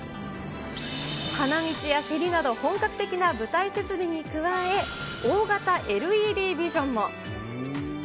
花道やせりなど、本格的な舞台設備に加え、大型ＬＥＤビジョンも。